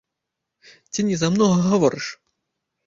Ці не замнога гаворыш?